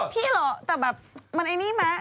พี่เหรอแต่แบบมันไอ้นี่ไหม